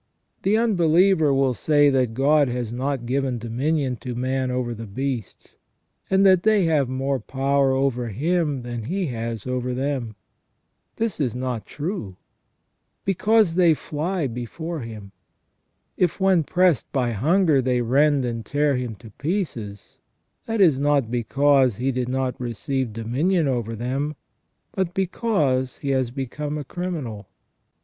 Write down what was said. The unbeliever will say that God has not given dominion to man over the beasts, and that they have more power over him than he has over them. This is not true, because they fly before * S. Greg. Nyssa, Dc Humano Opificio, cc. iv. v. 64 THE SECONDARY IMAGE OF GOD IN MAN him. If when pressed by hunger they rend and tear him to pieces, that is not because he did not receive dominion over them, but because he has become a criminal.